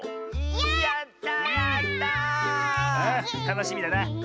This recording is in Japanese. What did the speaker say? たのしみだな。